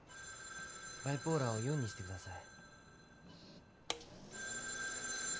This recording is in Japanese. バイポーラーを４にしてください。